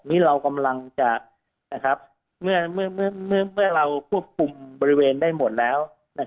นี่เรากำลังจะเมื่อเราควบคุมบริเวณได้หมดแล้ว